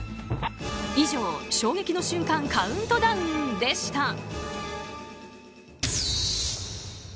以上、衝撃の瞬間カウントダウンでした。